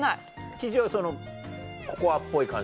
生地はココアっぽい感じ。